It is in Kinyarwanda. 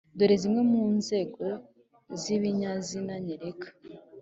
dore zimwe mu ngero z’ibinyazina nyereka